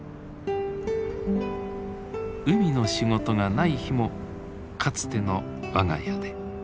海の仕事がない日もかつての我が家で。